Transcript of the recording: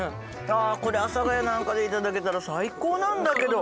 ああこれ阿佐ヶ谷なんかで頂けたら最高なんだけど。